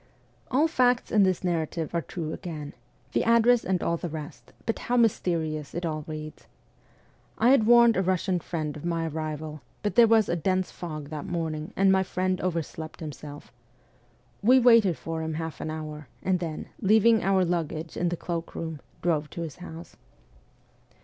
All facts in this narrative are true again the address and the rest ; but how mysterious it all reads. I had warned a Eussian friend of my arrival, but there was a dense fog that morning, and my friend overslept him self. We waited for him half an hour, and then, leaving our luggage in the cloak room, drove to his house.